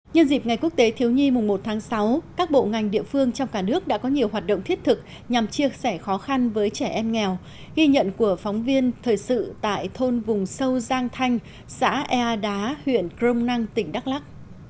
nhân dịp ngày quốc tế thiếu nhi mùng một tháng sáu các bộ ngành địa phương trong cả nước đã có nhiều hoạt động thiết thực nhằm chia sẻ khó khăn với trẻ em nghèo ghi nhận của phóng viên thời sự tại thôn vùng sâu giang thanh xã ea đá huyện crom năng tỉnh đắk lắc